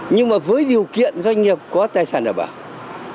nhưng mà với điều kiện doanh nghiệp có tài sản đảm bảo